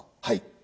はい。